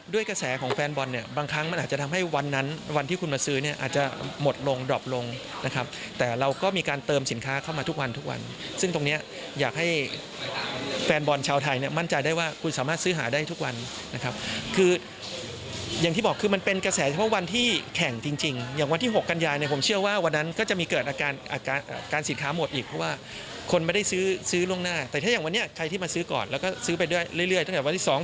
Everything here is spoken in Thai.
ด้วยกระแสของแฟนบอลเนี่ยบางครั้งมันอาจจะทำให้วันนั้นวันที่คุณมาซื้อเนี่ยอาจจะหมดลงดรอปลงนะครับแต่เราก็มีการเติมสินค้าเข้ามาทุกวันทุกวันซึ่งตรงเนี้ยอยากให้แฟนบอลชาวไทยเนี่ยมั่นใจได้ว่าคุณสามารถซื้อหาได้ทุกวันนะครับคืออย่างที่บอกคือมันเป็นกระแสเฉพาะวันที่แข่งจริงจริง